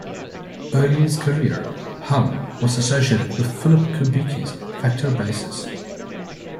Early in his career, Hamm was associated with Philip Kubicki's Factor basses.